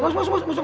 masuk masuk masuk